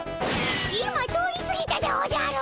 今通りすぎたでおじゃる！